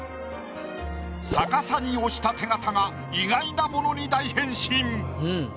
逆さに押した手形が意外なものに大変身！